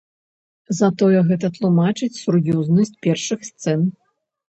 Затое гэта тлумачыць сур'ёзнасць першых сцэн.